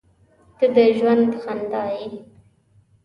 • ته د ژوند خندا یې.